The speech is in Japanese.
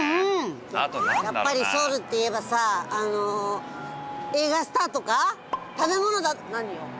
やっぱりソウルっていえばさあの映画スターとか食べ物何よ。